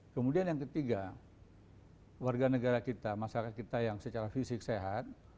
kemudian yang ketiga warga negara kita masyarakat kita yang secara fisik sehat